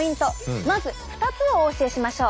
まず２つをお教えしましょう。